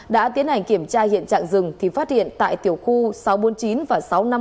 đã tiến hành kiểm tra hiện trạng rừng thì phát hiện tại tiểu khu sáu trăm bốn mươi chín và sáu trăm năm mươi hai